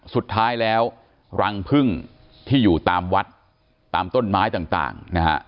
สุดท้ายแล้วรังพึ่งที่อยู่ตามวัดตามต้นไม้ต่างนะฮะ